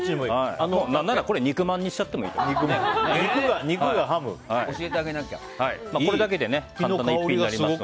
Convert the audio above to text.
何なら肉まんにしちゃってもいいと思います。